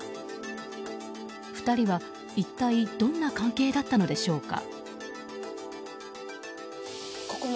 ２人は一体どんな関係だったのでしょうか。